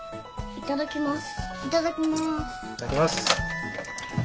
いただきます。